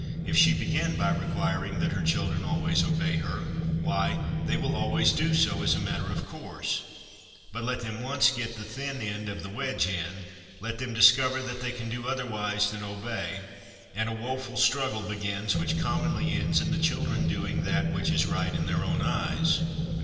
If she begin by requiring that her children always obey her, why, they will always do so as a matter of course ; but let them once get the thin end of the wedge in, let them discover that they can do otherwise than obey, and a woful struggle SOME HABITS OF MIND SOME MORAL HABITS 163 begins, which commonly ends in the children doing that which is right in their own eyes.